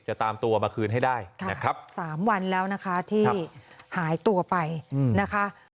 ตามตัวมาคืนให้ได้นะครับ๓วันแล้วนะคะที่หายตัวไปนะคะ